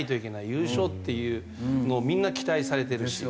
優勝っていうのをみんな期待されてるし。